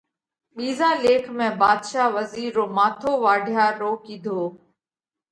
ٻِيزا ليک ۾ ڀاڌشا وزِير رو ماٿو واڍيا رو ڪِيڌو۔